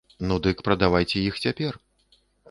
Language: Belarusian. Ну дык прадавайце іх цяпер.